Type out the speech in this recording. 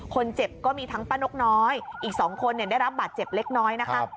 คนเจ็บก็มีทั้งป้านกน้อยอีกสองคนเนี่ยได้รับบาดเจ็บเล็กน้อยนะคะ